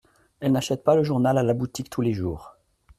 Elles n’achètent pas le journal à la boutique tous les jours.